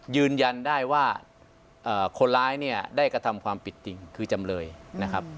ยืนยันได้ว่าคนร้ายเนี่ยได้กระทำความผิดจริงคือจำเลยนะครับ